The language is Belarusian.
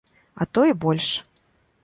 А то і больш.